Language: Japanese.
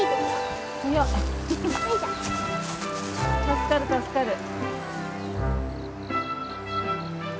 助かる助かる。